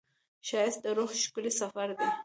ښایست د روح ښکلی سفر دی